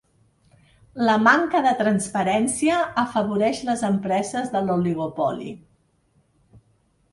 La manca de transparència afavoreix les empreses de l’oligopoli.